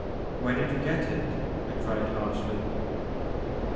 ''Where did you get it? " I cried harshly.